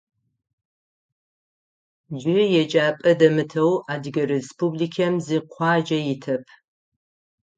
Джы еджапӏэ дэмытэу Адыгэ Республикэм зы къуаджэ итэп.